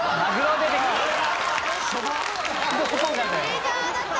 メジャーだった。